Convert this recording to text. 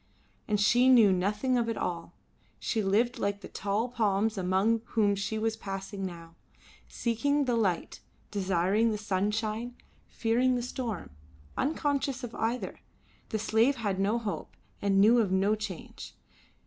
And she knew nothing of it all. She lived like the tall palms amongst whom she was passing now, seeking the light, desiring the sunshine, fearing the storm, unconscious of either. The slave had no hope, and knew of no change.